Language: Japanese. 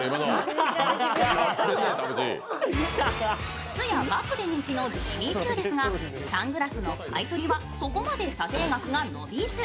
靴やバッグで人気のジミーチュウですがサングラスの買い取りはそこまで査定額が伸びず。